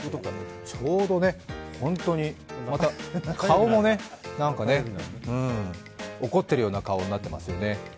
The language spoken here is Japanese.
ちょうど本当に顔もね、怒ってるような顔になってますよね。